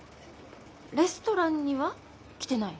レストランには来てない。